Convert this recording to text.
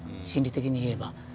心理的に言えば。